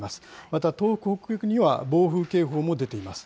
また東北、北陸には暴風警報も出ています。